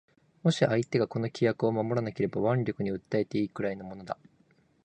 もし相手がこの規約を守らなければ腕力に訴えて善いくらいのものだ